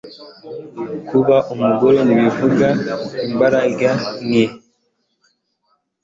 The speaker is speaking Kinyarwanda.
kuba umugore ntibivuze imbaraga nke